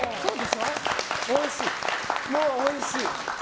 もうおいしい。